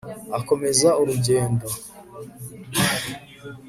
akomeza urugendo